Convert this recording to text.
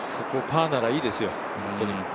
ここ、パーならいいですよ。